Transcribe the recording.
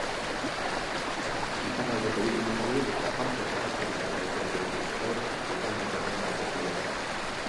Iparraldeko bi pilotariek aparteko arazorik gabe aukeratu dituzte gaur igandeko demarako pilotak.